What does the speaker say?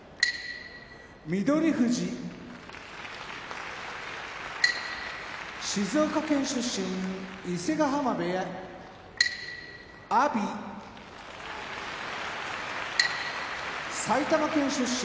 翠富士静岡県出身伊勢ヶ濱部屋阿炎埼玉県出身